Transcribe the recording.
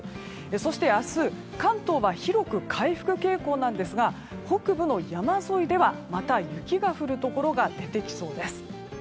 そして明日関東は広く回復傾向なんですが北部の山沿いではまた雪が降るところが出てきそうです。